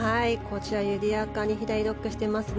緩やかに左ドッグレッグしてますね。